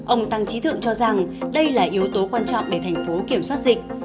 ông tăng trí thượng cho rằng đây là yếu tố quan trọng để thành phố kiểm soát dịch